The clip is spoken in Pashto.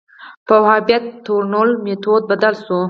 په وهابیت تورنول میتود بدل شو